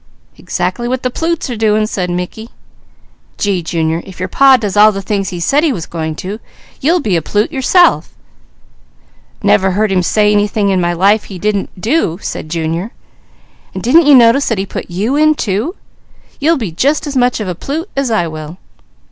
"Exactly what the plutes are doing," said Mickey. "Gee, Junior, if your Pa does all the things he said he was going to, you'll be a plute yourself!" "Never heard him say anything in my life he didn't do," said Junior, "and didn't you notice that he put you in too? You'll be just as much of a plute as I will."